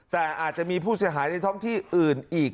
แต่อาจจะมีผู้เสียหายในท้องที่อื่นอีก